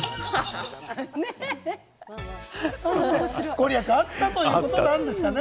御利益あったということなんですかね。